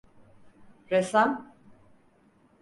Ressam…